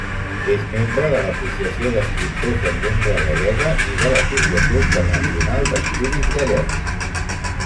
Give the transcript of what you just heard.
És membre de l'Associació d'Escriptors en Llengua Gallega i de l'Associació Internacional d'Estudis Gallecs.